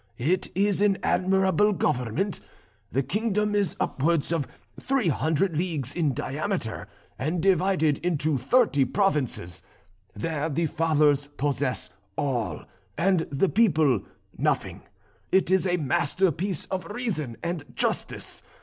It is an admirable government. The kingdom is upwards of three hundred leagues in diameter, and divided into thirty provinces; there the Fathers possess all, and the people nothing; it is a masterpiece of reason and justice.